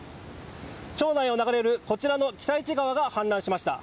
町内を流れるこちらの私都川が氾濫しました。